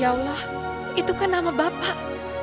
ya allah itu kan nama bapak